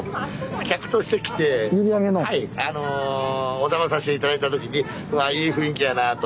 お邪魔させて頂いた時にうわいい雰囲気やなあと。